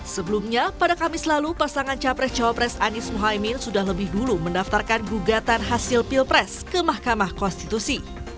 sebelumnya pada kamis lalu pasangan capres cawapres anies muhaymin sudah lebih dulu mendaftarkan gugatan hasil pilpres ke mahkamah konstitusi